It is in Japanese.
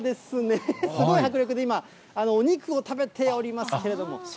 すごい迫力で今、お肉を食べておりますけれども。